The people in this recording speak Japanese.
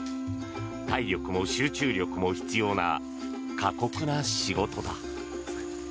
体力も集中力も必要な過酷な仕事だ。